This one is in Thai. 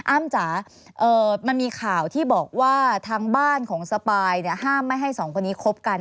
อ้ำจ๋ามันมีข่าวที่บอกว่าทางบ้านของสปายห้ามไม่ให้สองคนนี้คบกัน